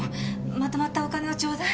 まとまったお金をちょうだい。